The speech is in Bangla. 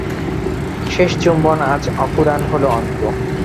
শেষ চুম্বন আজ অফুরান হল অন্তু।